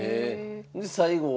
で最後は？